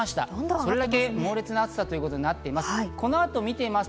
それだけ猛烈な暑さとなっています。